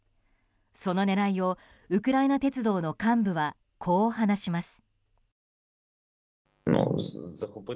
その狙いをウクライナ鉄道の幹部はこう話します。